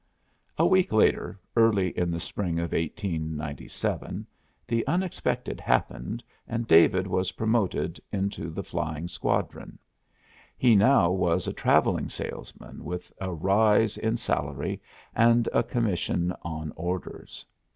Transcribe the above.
A week later, early in the spring of 1897, the unexpected happened, and David was promoted into the flying squadron. He now was a travelling salesman, with a rise in salary and a commission on orders.